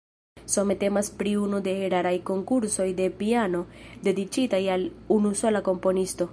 Same temas pri unu de raraj konkursoj de piano dediĉitaj al unusola komponisto.